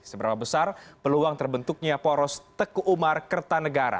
seberapa besar peluang terbentuknya poros teku umar kerta negara